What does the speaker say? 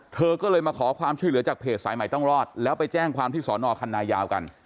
เธอก็เลยมาขอความช่วยเหลือจากเพจสายใหม่ต้องรอดแล้วไปแจ้งความที่สอนอคันนายาวกัน